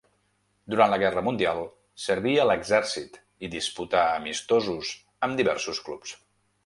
Durant la Guerra Mundial serví a l'exèrcit i disputà amistosos amb diversos clubs.